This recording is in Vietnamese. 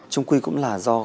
trung quy cũng là do